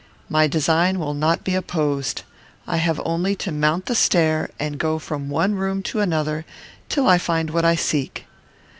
My design will not be opposed. I have only to mount the stair, and go from one room to another till I find what I seek.